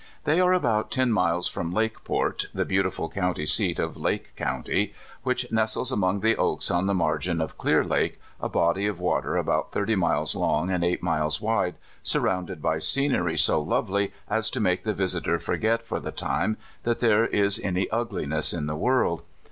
They are about ten miles from Lakeport, the beautiful coun ty seat of Lake county, which nestles among the oaks on the nuirgin of Clear Lake, a body of water about thirty miles long, and eight miles wide, sur rounded by scenery so lovely as to make the vis itor forget for the time that there is any ugliness in the world.